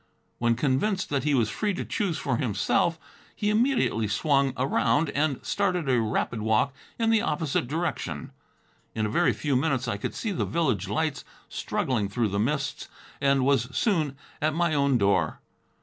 When convinced that he was free to choose for himself, he immediately swung around and started at a rapid walk in the opposite direction. In a very few minutes I could see the village lights struggling through the mists, and was soon at my own door.